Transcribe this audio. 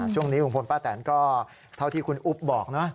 ช่วงนี้ลุงพลป้าแตนก็เท่าที่คุณอุ๊บบอกนะ